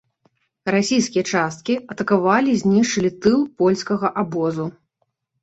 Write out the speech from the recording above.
Расійскія часткі атакавалі і знішчылі тыл польскага абозу.